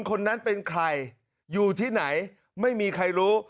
คนนั้นเป็นใครอยู่ที่ไหนไม่มีใครรู้